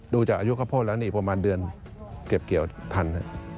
ดูจากอายุข้าวโพดแล้วนี่ประมาณเดือนเก็บเกี่ยวทัน